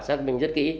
xác minh rất kỹ